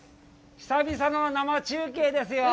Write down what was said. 久々の生中継ですよ。